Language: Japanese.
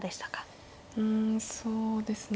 うんそうですね